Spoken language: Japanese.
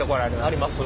あります。